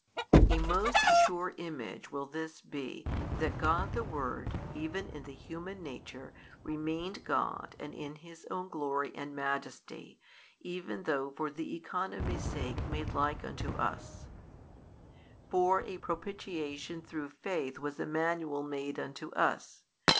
A most sure image will this be that God the Word even in the human nature remained God and in His own Glory and Majesty even though for the economy's sake made like unto us; for a propitiation through faith was Emmanuel made unto us.